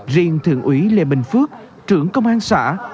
riêng thượng úy lê bình phước trưởng công an xã